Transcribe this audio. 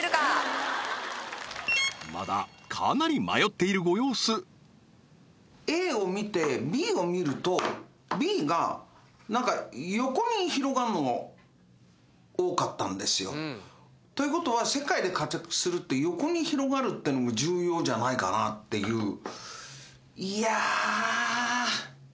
まだかなり迷っているご様子Ａを見てＢを見るとＢがなんか横に広がんの多かったんですよということは世界で活躍するって横に広がるってのが重要じゃないかなっていういやー